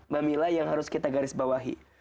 mbak mila yang harus kita garis bawahi